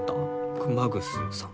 熊楠さん。